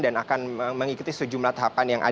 dan akan mengikuti sejumlah tahapan